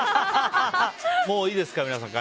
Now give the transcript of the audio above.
もういいですか、皆さん。